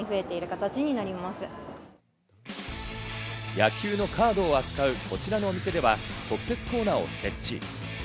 野球のカードを扱うこちらのお店では、特設コーナーを設置。